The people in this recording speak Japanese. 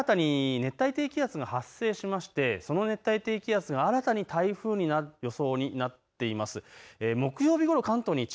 では３つ目の項目、新たに熱帯低気圧が発生しましてその熱帯低気圧が新たに台風になる予想になっています。